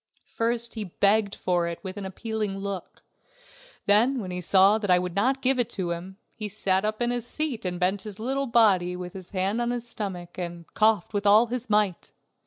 First he begged for it with an appealing look; then when he saw that I would not give it to him, he sat up in his seat and bent his little body with his hand on his stomach, and coughed with all his might.